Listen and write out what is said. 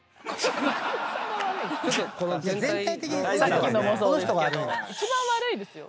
全体的にこの人悪いの。一番悪いですよ。